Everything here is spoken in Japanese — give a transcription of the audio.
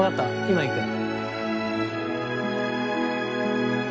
今行く。